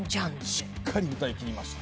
しっかり歌いきりました。